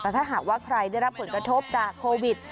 แต่ถ้าหากว่าใครได้รับผลกระทบจากโควิด